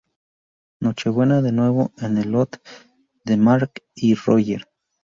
Nochebuena de nuevo en el loft de Mark y Roger.